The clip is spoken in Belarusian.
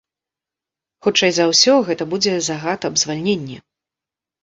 Хутчэй за ўсё, гэта будзе загад аб звальненні.